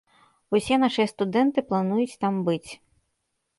Усе нашыя студэнты плануюць там быць.